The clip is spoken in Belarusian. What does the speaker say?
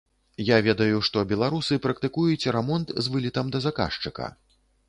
Я ведаю, што беларусы практыкуюць рамонт з вылетам да заказчыка.